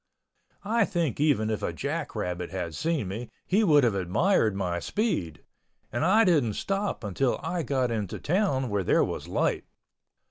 I think even if a jack rabbit had seen me he would have admired my speed, and I didn't stop until I got into town where there was light.